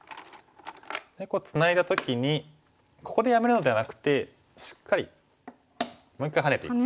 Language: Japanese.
こうツナいだ時にここでやめるのではなくてしっかりもう一回ハネていく。